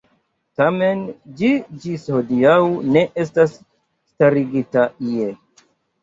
Tamen ĝi ĝis hodiaŭ ne estas starigita ie.